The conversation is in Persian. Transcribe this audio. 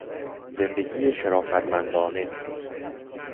زندگی شرافت مندانه